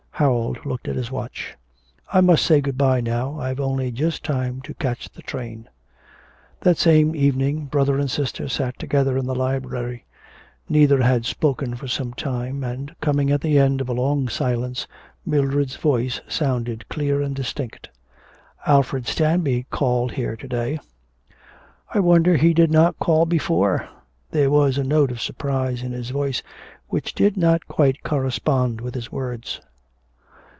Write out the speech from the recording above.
Harold looked at his watch. 'I must say good bye now. I've only just time to catch the train.' That same evening brother and sister sat together in the library; neither had spoken for some time, and, coming at the end of a long silence, Mildred's voice sounded clear and distinct. 'Alfred Stanby called here to day.' 'I wonder he did not call before.' There was a note of surprise in his voice which did not quite correspond with his words.